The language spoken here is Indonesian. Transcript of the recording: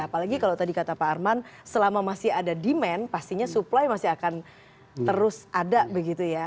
apalagi kalau tadi kata pak arman selama masih ada demand pastinya supply masih akan terus ada begitu ya